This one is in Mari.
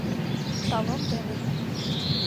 Талон дене...